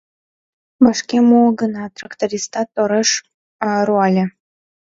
Вашке муо гынат, трактористат тореш руале: